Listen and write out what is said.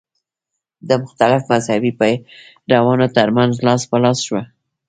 د مختلفو مذهبي پیروانو تر منځ لاس په لاس شوه.